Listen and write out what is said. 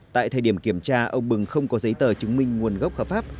tại thời điểm kiểm tra ông bừng không có giấy tờ chứng minh nguồn gốc hợp pháp